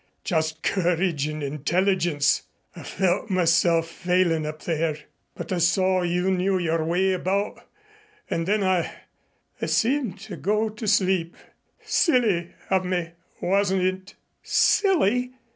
Just courage and intelligence. I felt myself failin', up there, but I saw you knew your way about and then I I seemed to go to sleep. Silly of me, wasn't it?" "Silly!